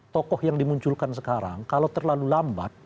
tokoh yang dimunculkan sekarang kalau terlalu lambat